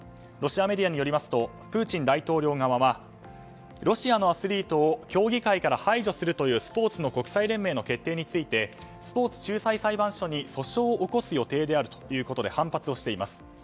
ロシアメディアによりますとプーチン大統領側はロシアのアスリートを競技会から排除するというスポーツ国際連盟の決定についてスポーツ仲裁裁判所に訴訟を起こす予定であるということで反発をしています。